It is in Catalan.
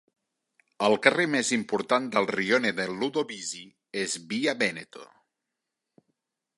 El carrer més important del rione de Ludovisi és Via Veneto.